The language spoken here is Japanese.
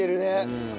うん。